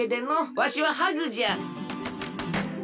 わしはハグじゃ。